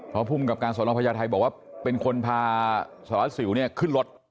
เพราะผู้มูลกรรมการสวรรค์พระยาทัยบอกว่าเป็นคนพาสวสิวค์ขึ้นรถ